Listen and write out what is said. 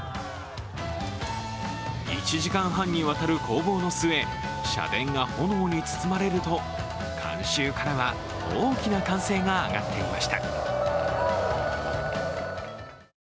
１時間半にわたる攻防の末社殿が炎に包まれると観衆からは大きな歓声が上がっていました。